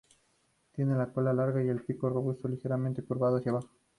Tiene la cola larga y el pico robusto y ligeramente curvado hacia abajo.